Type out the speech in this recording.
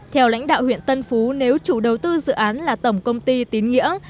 theo lãnh đạo huyện tân phú nếu chủ đầu tư dự án là tổng công ty tín nghĩa